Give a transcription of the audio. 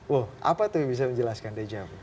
wah apa tuh yang bisa menjelaskan dejavu